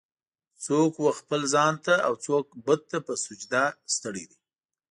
"څوک و خپل ځان ته اوڅوک بت ته په سجده ستړی دی.